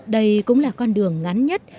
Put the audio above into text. đây cũng là con đường ngắn nhất